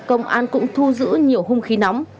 công an cũng thu giữ nhiều hông khí nóng